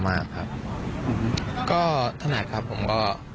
มากครับก็ถนัดครับผมก็